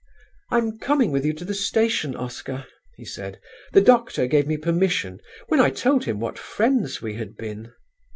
"'I'm coming with you to the station, Oscar,' he said; 'the Doctor gave me permission, when I told him what friends we had been.'